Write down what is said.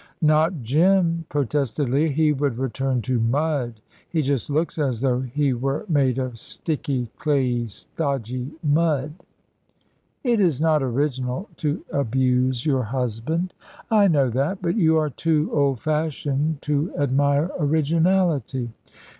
"Not Jim," protested Leah: "he would return to mud. He just looks as though he were made of sticky, clayey, stodgy mud." "It is not original to abuse your husband." "I know that; but you are too old fashioned to admire originality."